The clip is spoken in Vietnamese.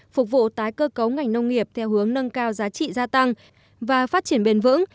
phục vụ tái cơ cấu ngành nông nghiệp theo hướng nâng cao giá trị gia tăng và phát triển bền vững